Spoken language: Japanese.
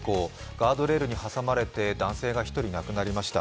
ガードレールに挟まれて男性が１人亡くなりました。